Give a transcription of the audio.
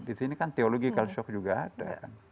di sini kan teologi culture shock juga ada